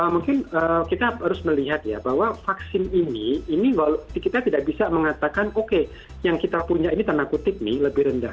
mungkin kita harus melihat ya bahwa vaksin ini ini kita tidak bisa mengatakan oke yang kita punya ini tanda kutip nih lebih rendah